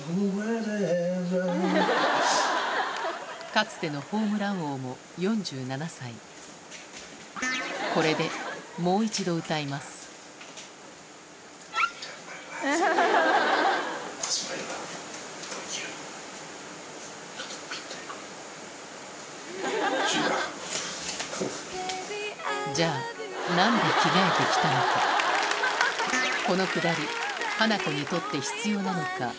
かつてのホームラン王も４７歳これでもう一度歌いますじゃあ何で着替えて来たのかこのくだりハナコにとって必要なのか？